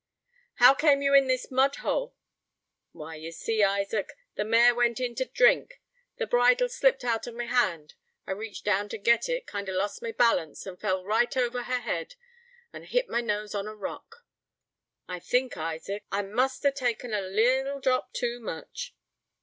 "How came you in this mud hole?" "Why, you see, Isaac, the mare went in to drink; the bridle slipped out of my hand; I reached down to get it, kind o' lost my balance, and fell right over her head, and hit my nose on a rock. I think, Isaac, I must have taken a leetle drop too much."